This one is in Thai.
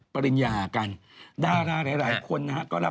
พี่แนว่ากเลย